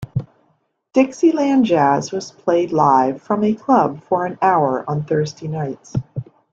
Dixieland Jazz was played live from a club for an hour on Thursday nights.